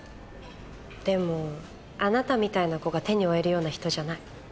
でもあなたみたいな子が手に負えるような人じゃない。